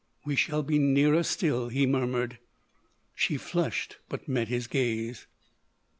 "We shall be nearer still," he murmured. She flushed but met his gaze.